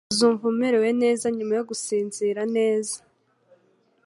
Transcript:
Uzumva umerewe neza nyuma yo gusinzira neza.